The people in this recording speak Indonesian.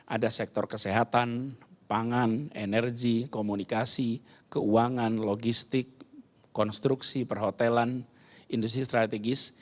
ada sektor kesehatan pangan energi komunikasi keuangan logistik konstruksi perhotelan industri strategis